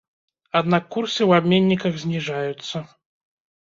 Аднак курсы ў абменніках зніжаюцца.